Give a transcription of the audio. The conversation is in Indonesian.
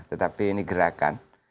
tetapi ini gerakan